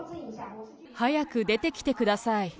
早く出てきてください。